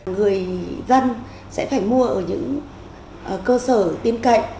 người dân sẽ phải mua ở những cơ sở tin cậy